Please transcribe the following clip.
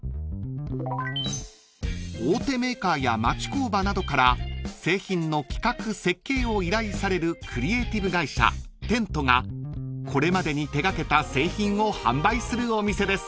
［大手メーカーや町工場などから製品の企画設計を依頼されるクリエイティブ会社テントがこれまでに手掛けた製品を販売するお店です］